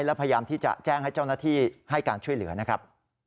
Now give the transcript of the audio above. และพยายามที่จะแจ้งให้เจ้าหน้าที่ให้การช่วยเหลือนะครับ